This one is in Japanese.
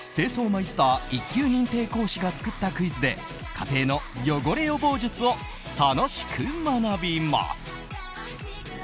マイスター１級認定講師が作ったクイズで家庭の汚れ予防術を楽しく学びます。